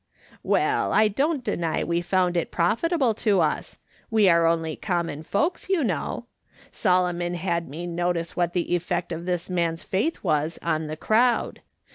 " Well, I don't deny we found it profitable to us —■ we are only common folks, you know. Solomon had me notice what the effect of this man's faith was on the crowd.